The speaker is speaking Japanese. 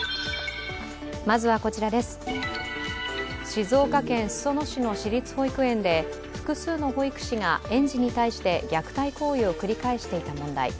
静岡県裾野市の私立保育園で複数の保育士が園児に対して虐待行為を繰り返していた問題。